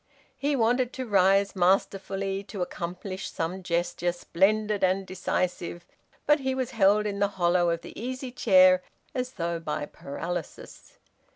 He wanted to rise masterfully, to accomplish some gesture splendid and decisive, but he was held in the hollow of the easy chair as though by paralysis.